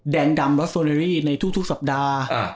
แดงดำรัสโซเนอรี่ในทุกสัปดาห์